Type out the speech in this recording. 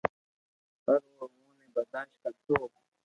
پر او اووہ ني برداݾت ڪرتو